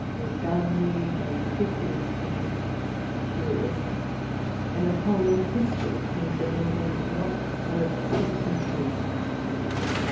Lord Darnley, James the Fifth and his Queen, curious, and a whole history of Kings of England, not worth six pence a piece.